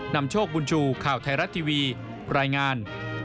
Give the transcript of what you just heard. นำโชคบุญชูข่าวไทยรัฐทีวีรายงาน